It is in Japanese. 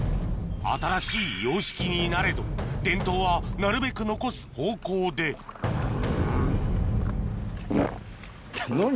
新しい様式になれど伝統はなるべく残す方向でうん。